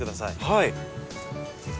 はい。